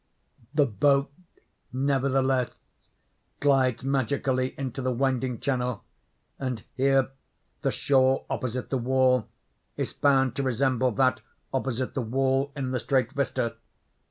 The boat, nevertheless, glides magically into the winding channel; and here the shore opposite the wall is found to resemble that opposite the wall in the straight vista.